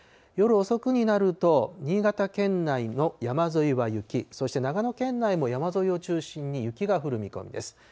夜遅くになると、新潟県内の山沿いは雪、そして長野県内も山沿いを中心に雪が降る見込みです。